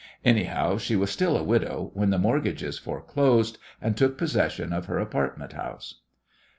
Anyhow, she was still a widow when the mortgagees foreclosed and took possession of her apartment house.